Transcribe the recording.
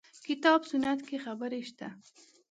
کتاب سنت کې خبرې شته.